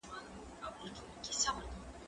هغه وويل چي موسيقي ګټوره ده؟